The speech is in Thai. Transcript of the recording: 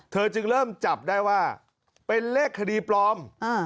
จึงเริ่มจับได้ว่าเป็นเลขคดีปลอม